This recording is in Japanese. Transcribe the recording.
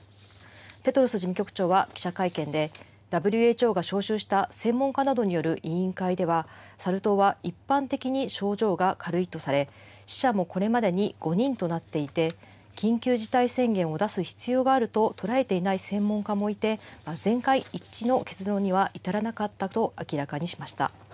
テドロス事務局長は記者会見で、ＷＨＯが招集した専門家などによる委員会では、サル痘は一般的に症状が軽いとされ、死者もこれまでに５人となっていて、緊急事態宣言を出す必要があると捉えていない専門家もいて、全会一致の結論には至らなかったと明らかにしました。